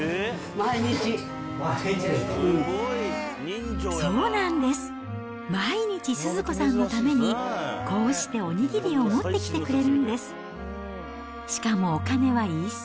毎日スズ子さんのために、こうしてお握りを持ってきてくれるんです。